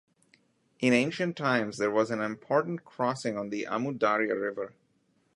In ancient times there was an important crossing on the Amu Darya river.